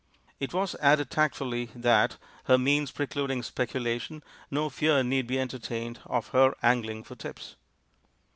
It was added tactfully that, her means preclud ing speculation, no fear need be entertained of her angling for tips.